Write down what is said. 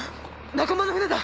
仲間の船だ！